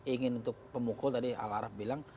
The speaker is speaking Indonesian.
ingin untuk pemukul tadi al araf bilang